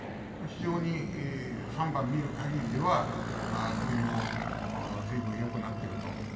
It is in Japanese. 非常に３番見るかぎりでは首もずいぶんよくなっていると。